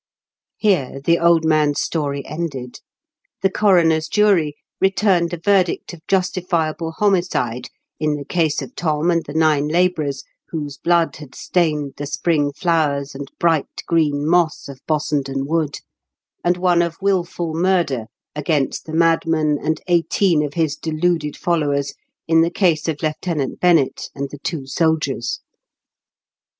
Here the old man's story ended. The coroner's jury returned a verdict of justifiable homicide in the case of Thorn and the nine labourers whose blood had stained the spring flowers and bright green moss of Bossenden Wood, and one of wilful murder against the madman and eighteen of his deluded followers in the case of Lieutenant Bennett and the two soldiers.